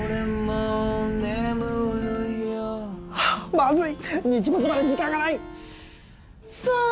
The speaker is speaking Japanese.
まずい日没まで時間がない。